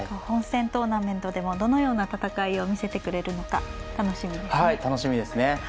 本戦トーナメントでもどのような戦いを見せてくれるのか楽しみですね。